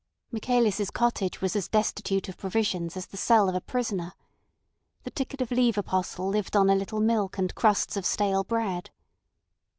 Michaelis' cottage was as destitute of provisions as the cell of a prisoner. The ticket of leave apostle lived on a little milk and crusts of stale bread.